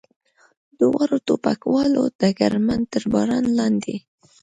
دواړو ټوپکوالو ډګرمن تر باران لاندې.